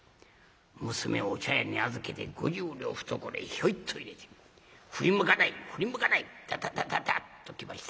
娘をお茶屋に預けて５０両を懐へヒョイッと入れて振り向かない振り向かないダダダダダッと来ました。